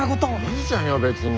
いいじゃんよ別に。